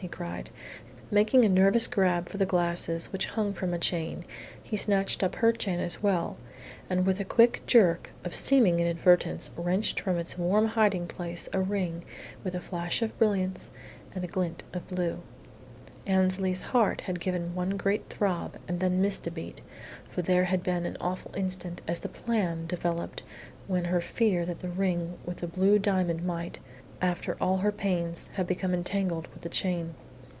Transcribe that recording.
he cried. Making a nervous grab for the glasses, which hung from a chain, he snatched up her chain as well, and with a quick jerk of seeming inadvertence wrenched from its warm hiding place a ring with a flash of brilliants and a glint of blue. Annesley's heart had given one great throb and then missed a beat, for there had been an awful instant as the "plan" developed when she feared that the ring with the blue diamond might, after all her pains, have become entangled with the chain.